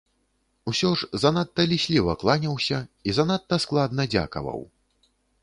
Усё ж занадта лісліва кланяўся і занадта складна дзякаваў.